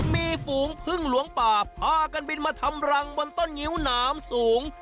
มีฝูงพึ่งหลวงป่าพากันบินมาทำรังบนต้นงิ้วหนามสูง